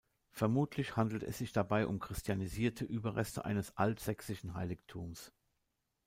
Vermutlich handelt es sich dabei um „christianisierte“ Überreste eines alt-sächsischen Heiligtums.